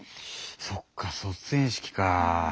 そっか卒園式かぁ。